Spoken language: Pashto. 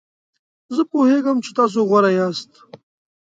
زه پوهیږم چې تاسو غوره یاست.